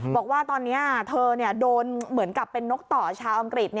บอกว่าตอนนี้เธอโดนเหมือนกับเป็นนกต่อชาวอังกฤษ